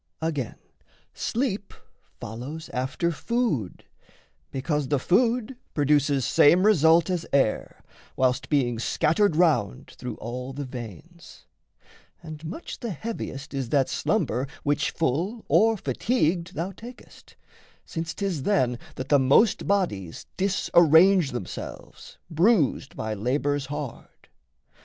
Again, sleep follows after food, because The food produces same result as air, Whilst being scattered round through all the veins; And much the heaviest is that slumber which, Full or fatigued, thou takest; since 'tis then That the most bodies disarrange themselves, Bruised by labours hard.